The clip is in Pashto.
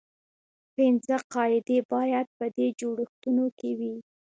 پنځه قاعدې باید په دې جوړښتونو کې وي.